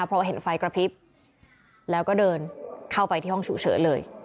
เพราะว่าเห็นไฟกระพริบแล้วก็เดินเข้าไปที่ห้องฉุกเฉินเลย